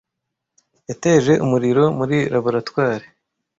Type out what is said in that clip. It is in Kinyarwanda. yateje umuriro muri laboratoire